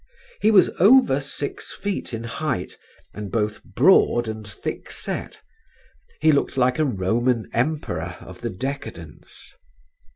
He was over six feet in height and both broad and thick set; he looked like a Roman Emperor of the decadence.